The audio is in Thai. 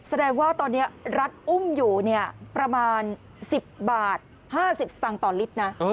แสดงว่าตอนนี้รัฐอุ้มอยู่ประมาณ๑๐บาท๕๐สตางค์ต่อลิตรนะ